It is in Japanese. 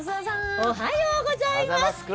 おはようございます。